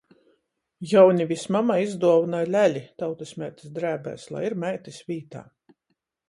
Jaunivis mamai izduovynoj leli tautumeitys drēbēs, lai ir meitys vītā.